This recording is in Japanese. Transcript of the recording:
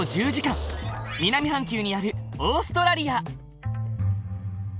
南半球にあるオーストラリア！